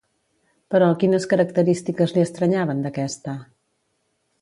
Però, quines característiques li estranyaven d'aquesta?